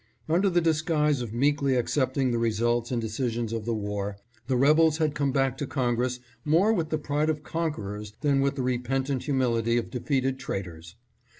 Under the disguise of meekly accepting the results and decisions of the war, the rebels had come back to Congress more with the pride of conquerors than with the repentant humility of defeated traitors.